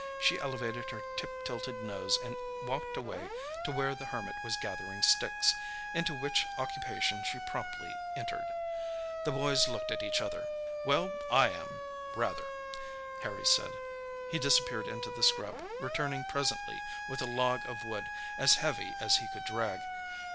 She elevated her tip tilted nose, and walked away to where the Hermit was gathering sticks, into which occupation she promptly entered. The boys looked at each other. "Well, I am—rather," Harry said. He disappeared into the scrub, returning presently with a log of wood as heavy as he could drag.